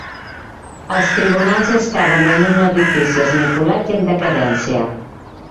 Els tribunals estaven en un edifici esmicolat i en decadència.